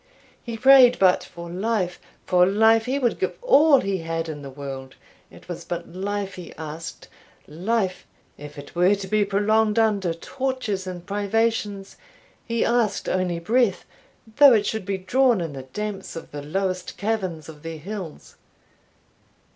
He prayed but for life for life he would give all he had in the world: it was but life he asked life, if it were to be prolonged under tortures and privations: he asked only breath, though it should be drawn in the damps of the lowest caverns of their hills.